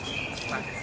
ya yang itu lagi